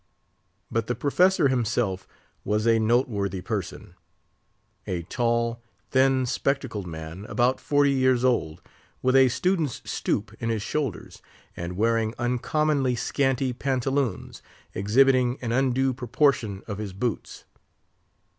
But the Professor himself was a noteworthy person. A tall, thin, spectacled man, about forty years old, with a student's stoop in his shoulders, and wearing uncommonly scanty pantaloons, exhibiting an undue proportion of his boots.